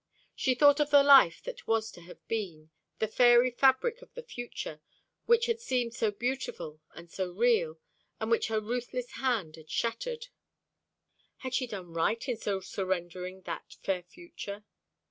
She thought of the life that was to have been the fairy fabric of the future, which had seemed so beautiful and so real, and which her ruthless hand had shattered. Had she done right in so surrendering that fair future?